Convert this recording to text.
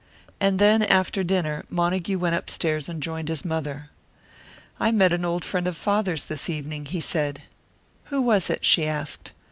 And then, after dinner, Montague went upstairs and joined his mother. "I met an old friend of father's this evening," he said. "Who was it?" she asked.